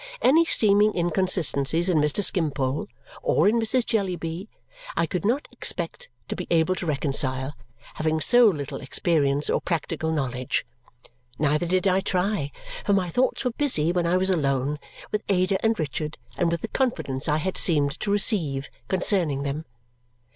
Any seeming inconsistencies in Mr. Skimpole or in Mrs. Jellyby I could not expect to be able to reconcile, having so little experience or practical knowledge. Neither did I try, for my thoughts were busy when I was alone, with Ada and Richard and with the confidence I had seemed to receive concerning them.